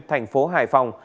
thành phố hải phòng